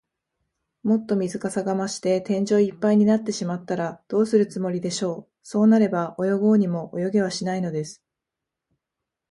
もっと水かさが増して、天井いっぱいになってしまったら、どうするつもりでしょう。そうなれば、泳ごうにも泳げはしないのです。